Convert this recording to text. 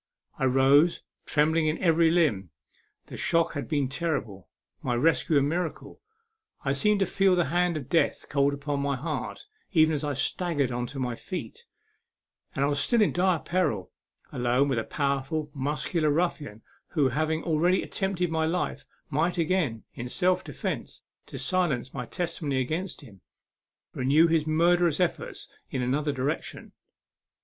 I rose, trembling in every limb ; the shock had been terrible; my rescue a miracle. I seemed to feel the hand of death cold upon my heart, even as I staggered on to my feet ; and still I was in dire peril alone with a powerful, muscular ruffian, who, having already attempted my life, might again, in self defence, to silence my testimony against him, renew his murderous effort in another direction.